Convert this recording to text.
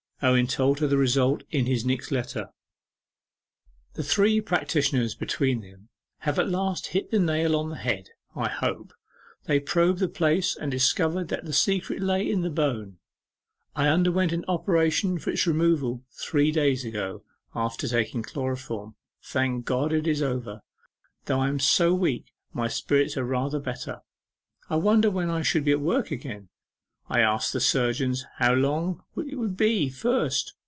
Owen told her the result in his next letter: 'The three practitioners between them have at last hit the nail on the head, I hope. They probed the place, and discovered that the secret lay in the bone. I underwent an operation for its removal three days ago (after taking chloroform)... Thank God it is over. Though I am so weak, my spirits are rather better. I wonder when I shall be at work again? I asked the surgeons how long it would be first.